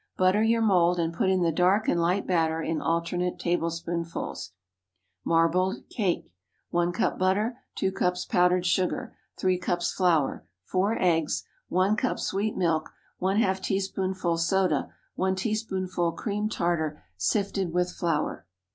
Butter your mould, and put in the dark and light batter in alternate tablespoonfuls. MARBLED CAKE. ✠ 1 cup butter. 2 cups powdered sugar. 3 cups flour. 4 eggs. 1 cup sweet milk. ½ teaspoonful soda. 1 teaspoonful cream tartar sifted with flour.